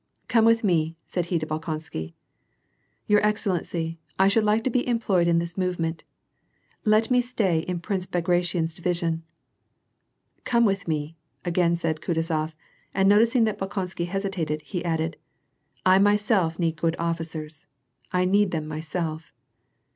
"Come with me," said he to Bolkonsky. "Your high excellency, I should like to be employed in this movement. Let me stay in Prince Bagration's division." "Come with me," again said Kutuzof, and noticing that Bolkonsky hesitated, he added : "I myself need good officers, 1 need them myself."